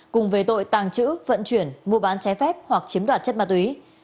cùng về tội tàng trữ vận chuyển mua bán trái phép hoặc chiếm đoạt chất ma túy